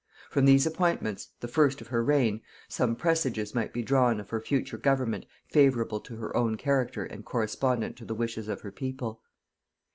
From these appointments, the first of her reign, some presages might be drawn of her future government favorable to her own character and correspondent to the wishes of her people.